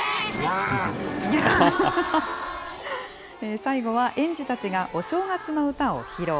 最後は、園児たちがお正月の歌を披露。